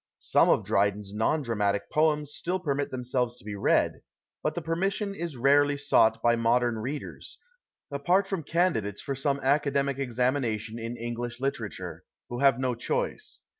Some of Drydens non dramatic poems still permit themselves to be read, but the permission is rarely sought by modern readers, apart from candidates for some academic examination in English literature, who have no choice.